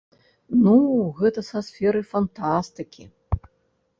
Ну, гэта са сферы фантастыкі.